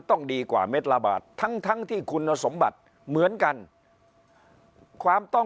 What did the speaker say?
ต้องดีกว่าเม็ดละบาททั้งทั้งที่คุณสมบัติเหมือนกันความต้อง